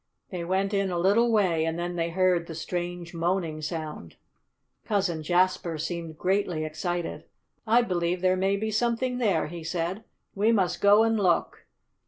They went in a little way and then they heard the strange, moaning sound. Cousin Jasper seemed greatly excited. "I believe there may be something there," he said. "We must go and look.